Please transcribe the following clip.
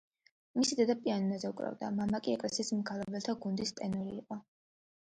მისი დედა პიანინოზე უკრავდა, მამა კი ეკლესიის მგალობელთა გუნდის ტენორი იყო.